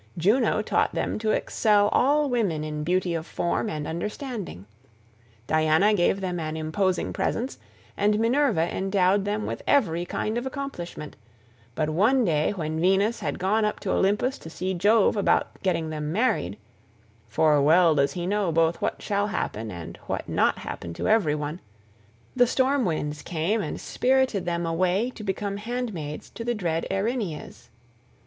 Juno taught them to excel all women in beauty of form and understanding; Diana gave them an imposing presence, and Minerva endowed them with every kind of accomplishment; but one day when Venus had gone up to Olympus to see Jove about getting them married (for well does he know both what shall happen and what not happen to every one) the storm winds came and spirited them away to become handmaids to the dread Erinyes.